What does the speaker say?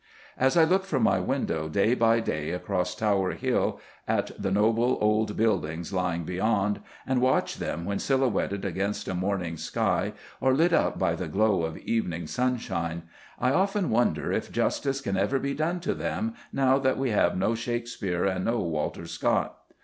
As I look from my window day by day across Tower Hill at the noble old buildings lying beyond, and watch them when silhouetted against a morning sky or lit up by the glow of evening sunshine, I often wonder if justice can ever be done to them now that we have no Shakespeare and no Walter Scott.